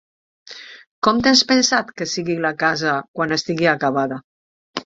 Com tens pensat que sigui la casa quan estigui acabada?